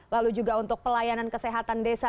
lalu juga untuk pelayanan kesehatan desa